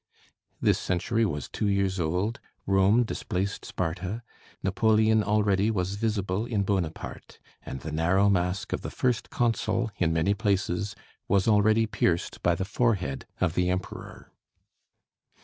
(This century was two years old; Rome displaced Sparta, Napoleon already was visible in Bonaparte, And the narrow mask of the First Consul, in many places, Was already pierced by the forehead of the Emperor.)